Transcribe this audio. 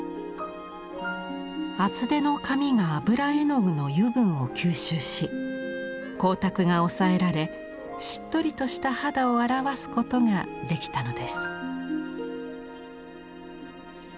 厚手の紙が油絵の具の油分を吸収し光沢が抑えられしっとりとした肌を表すことができたのです。